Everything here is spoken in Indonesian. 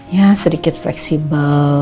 ya sedikit fleksibel